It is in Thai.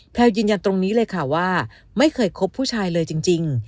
ยืนยันตรงนี้เลยค่ะว่าไม่เคยคบผู้ชายเลยจริง